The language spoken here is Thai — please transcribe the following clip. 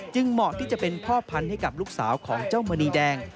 เหมาะที่จะเป็นพ่อพันธุ์ให้กับลูกสาวของเจ้ามณีแดง